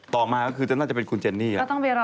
ต่อมาก็คือน่าจะเป็นคุณเจนนี่